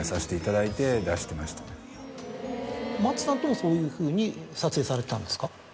そういうふうに撮影されてたんですか？